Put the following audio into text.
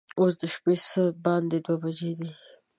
اوس د شپې څه باندې دوه بجې دي.